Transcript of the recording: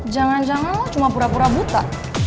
jangan jangan cuma pura pura buta